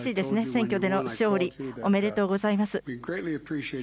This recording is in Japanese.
選挙での勝利、おめでとうございます。